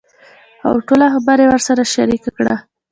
اوټوله خبره يې ورسره شريکه کړه .